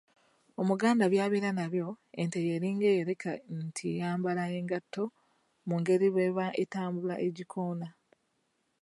Omuganda by’abeera nabyo, ente y’eringa eyoleka nti eyambala engatto mu ngeri bw’eba etambula egikoona.